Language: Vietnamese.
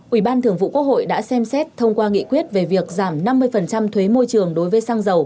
ủy ban thường vụ quốc hội đã xem xét thông qua nghị quyết về việc giảm năm mươi thuế môi trường đối với xăng dầu